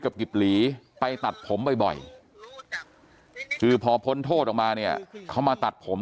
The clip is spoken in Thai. กิบหลีไปตัดผมบ่อยคือพอพ้นโทษออกมาเนี่ยเขามาตัดผม